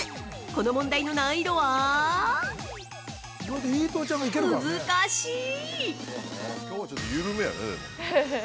この問題の難易度は難しい！